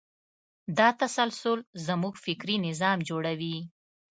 دا تسلسل زموږ فکري نظام جوړوي.